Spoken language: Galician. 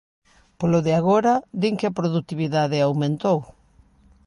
Polo de agora din que a produtividade aumentou.